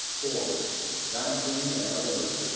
(4) Vanclin and Other Verses.